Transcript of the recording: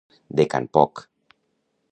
De can Poc.